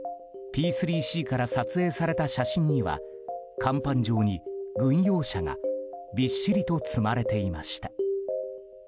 Ｐ３Ｃから撮影された写真には甲板上に軍用車がびっしりと積まれていました。